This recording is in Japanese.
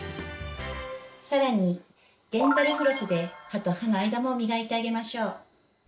更にデンタルフロスで歯と歯の間も磨いてあげましょう。